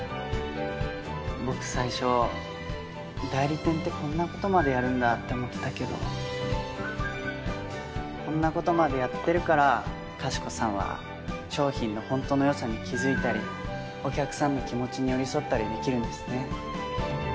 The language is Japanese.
僕最初代理店ってこんな事までやるんだって思ってたけどこんな事までやってるからかしこさんは商品の本当の良さに気づいたりお客さんの気持ちに寄り添ったりできるんですね。